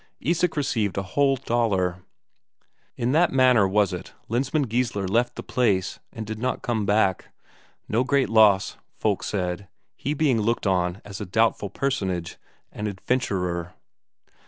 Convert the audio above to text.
Isak received a whole Daler. In that manner was it Lensmand Geissler left the place, and he did not come back. No great loss, folk said, he being looked on as a doubtful personage, an adventurer.